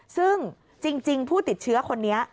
ซึ่งจริงผู้ติดเชื้อคนนี้